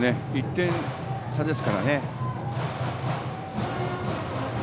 １点差ですからね。